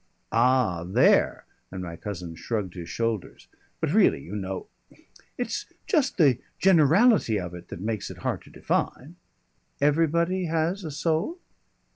"Ah, there!" And my cousin shrugged his shoulders. "But really you know It's just the generality of it that makes it hard to define." "Everybody has a soul?"